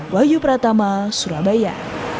wahyu pratama surabaya